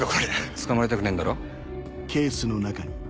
捕まりたくねえんだろ？